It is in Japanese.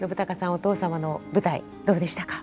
お父様の舞台どうでしたか？